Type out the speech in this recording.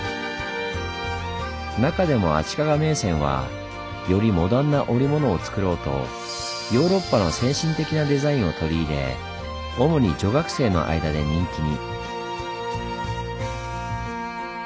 中でも足利銘仙はよりモダンな織物を作ろうとヨーロッパの先進的なデザインを取り入れ主に女学生の間で人気に。